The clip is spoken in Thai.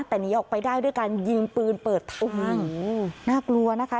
แต่หนีออกไปได้ด้วยการยิงปืนเปิดทางน่ากลัวนะคะ